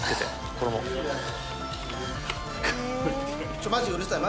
「ちょっとマジうるさい！